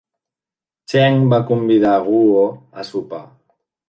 Cheng va convidar Guo a sopar.